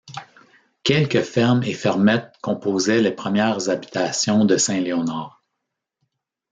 Quelques fermes et fermettes composaient les premières habitations de Saint-Léonard.